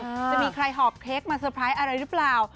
จะมีใครหอบเค้กมาเตอร์ไพรส์อะไรหรือเปล่า